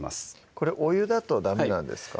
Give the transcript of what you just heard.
これお湯だとダメなんですか？